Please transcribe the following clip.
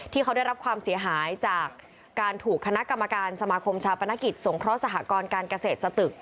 ที่เขาได้รับความเสียหายจากการถูกคณะกรรมการสมาคมชาปนกิจสงเคราะหกรการเกษตรสตึก